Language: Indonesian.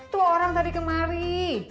tuh orang tadi kemari